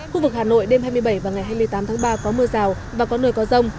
khu vực hà nội đêm hai mươi bảy và ngày hai mươi tám tháng ba có mưa rào và có nơi có rông